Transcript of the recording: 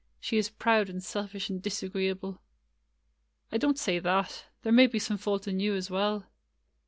She is proud and selfish and disagreeable." ''I don't say that. There may be some fault in you as well."